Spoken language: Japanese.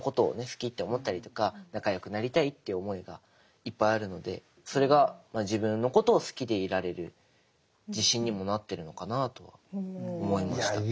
好きって思ったりとか仲よくなりたいっていう思いがいっぱいあるのでそれが自分のことを好きでいられる自信にもなってるのかなとは思いました。